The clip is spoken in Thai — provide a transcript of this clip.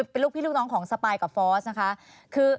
เป็นลูกพี่ลูกน้องของสปายกับฟอสนะคะ